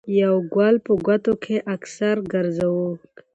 يو ګل په ګوتو کښې اکثر ګرځوو